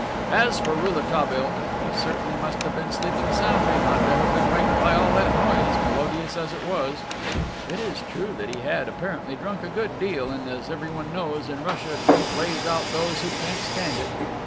As for Rouletabille, he certainly must have been sleeping soundly not to have been waked by all that noise, melodious as it was. It is true that he had apparently drunk a good deal and, as everyone knows, in Russia drink lays out those who can't stand it.